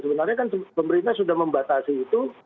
sebenarnya kan pemerintah sudah membatasi itu